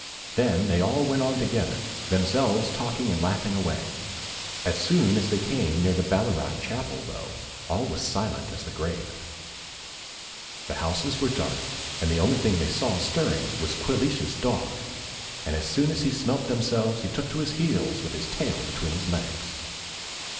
Then they all went on together, Themselves talking and laughing away. As soon as they came near the Ballaragh Chapel though, all was as silent as the grave. The houses were dark and the only thing they saw stirring was Quilleash's dog, and as soon as he smelt Themselves he took to his heels with his tail between his legs.